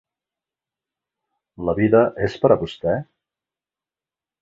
La vida és per a vostè?